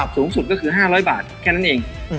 สูงสุดก็คือ๕๐๐บาทแค่นั้นเอง